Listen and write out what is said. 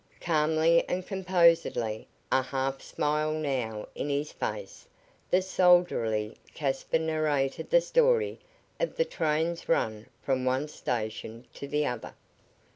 Calmly and composedly, a half smile now in his face, the soldierly Caspar narrated the story of the train's run from one station to the other.